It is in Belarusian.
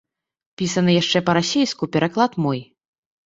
Пісаны яшчэ па-расейску, пераклад мой.